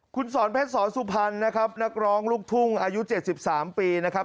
คุณสอนเพชรสอนสุพรรณนะครับนักร้องลูกทุ่งอายุ๗๓ปีนะครับ